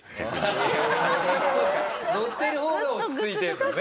乗ってる方が落ち着いてるのね。